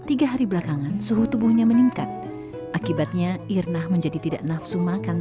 tiga hari belakangan suhu tubuhnya meningkat akibatnya irna menjadi tidak nafsu makan